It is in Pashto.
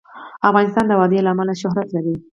افغانستان د وادي له امله شهرت لري.